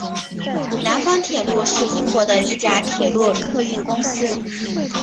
南方铁路是英国的一家铁路客运公司。